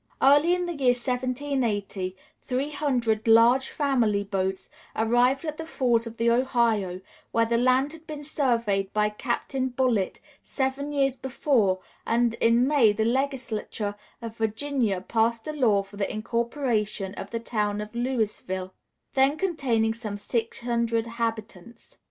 Early in the year 1780 three hundred "large family boats" arrived at the Falls of the Ohio, where the land had been surveyed by Captain Bullitt seven years before, and in May the Legislature of Virginia passed a law for the incorporation of the town of Louisville, then containing some six hundred inhabitants.